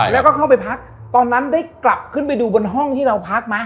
แล้วก็เข้าไปพักตอนนั้นได้กลับขึ้นไปดูบนห้องที่เราพักไหม